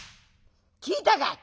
「聞いたか？」。